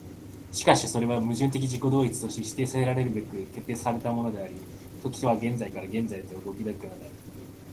しかしそれは矛盾的自己同一として否定せられるべく決定せられたものであり、時は現在から現在へと動き行くのである。